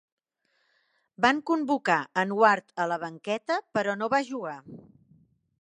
Van convocar en Ward a la banqueta, però no va jugar.